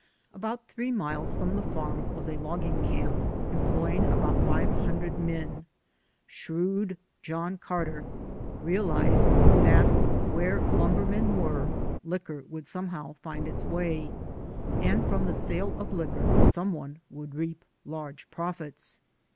About three miles from the farm was a logging camp employing about five hundred men. Shrewd John Carter realized that where lumbermen were, liquor would somehow find its way, and from the sale of liquor some one would reap large profits.